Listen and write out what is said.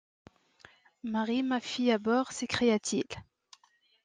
Marie! ma fille à bord ! s’écria-t-il.